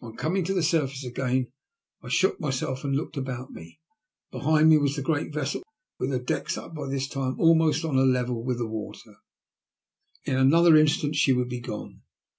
On coming to the surface again I shook myself and looked about me. Behind me was the great vessel, with her decks by this time almost on a level with the 150 THE LUST OF HATE, water. In another instant she would be gone.